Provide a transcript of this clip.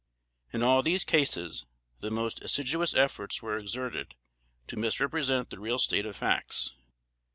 In all these cases, the most assiduous efforts were exerted to misrepresent the real state of facts.